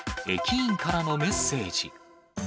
駅員からのメッセージ。